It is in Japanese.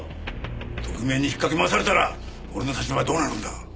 特命に引っかき回されたら俺の立場はどうなるんだ！